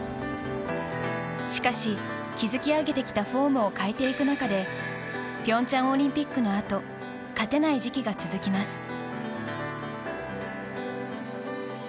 しかし、築き上げてきたフォームを変えていく中で平昌オリンピックのあと勝てない時期が続きます。